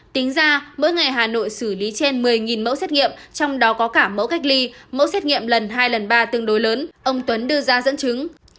tính ra mỗi ngày hà nội xử lý trên một mươi mẫu xét nghiệm trong đó có cả mẫu cách ly mẫu xét nghiệm lần hai lần ba tương đối lớn ông tuấn đưa ra dẫn chứng